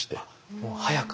もう早く。